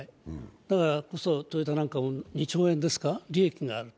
だからこそトヨタなんかも２兆円ですか利益があると。